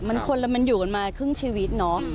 มันคนละมันอยู่กันมาครึ่งชีวิตเนาะ